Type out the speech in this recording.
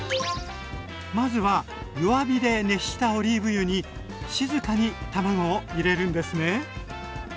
まずは弱火で熱したオリーブ油に静かに卵を入れるんですね。